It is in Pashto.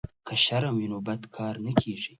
که شرم وي نو بد کار نه کیږي.